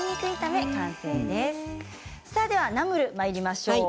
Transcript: ではナムルにまいりましょう。